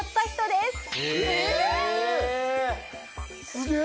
すげえ！